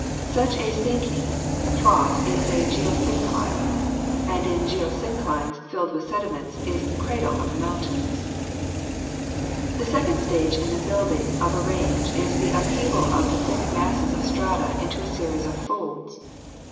Such a sinking trough is a geosyncline, and in geosynclines filled with sediments is the cradle of the mountains. The second stage in the building of a range is the up heaval of the thick mass of strata into a series of folds.